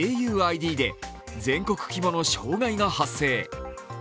ａｕＩＤで全国規模の障害が発生。